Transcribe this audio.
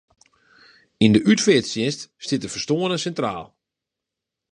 Yn de útfearttsjinst stiet de ferstoarne sintraal.